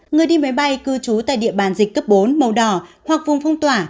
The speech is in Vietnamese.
người đi máy bay cư trú tại địa bàn dịch cấp bốn màu đỏ hoặc vùng phong tỏa